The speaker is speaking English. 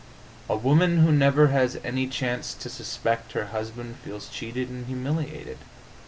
A woman who never has any chance to suspect her husband feels cheated and humiliated.